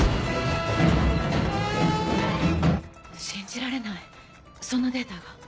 信じられないそんなデータが？